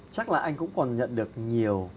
chắc là anh cũng còn nhận được nhiều